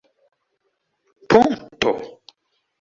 punkto